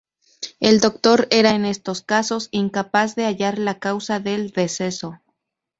El doctor era, en estos casos, incapaz de hallar la causa del deceso.